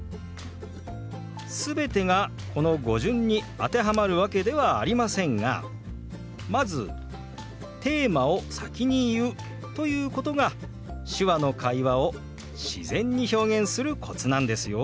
全てがこの語順に当てはまるわけではありませんがまずテーマを先に言うということが手話の会話を自然に表現するコツなんですよ。